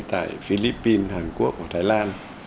tại philippines hàn quốc và thái lan